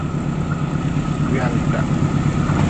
Gwalta.